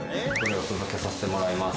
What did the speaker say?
お届けさせてもらいます。